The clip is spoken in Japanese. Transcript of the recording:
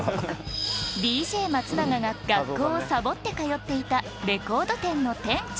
ＤＪ松永が学校をサボって通っていたレコード店の店長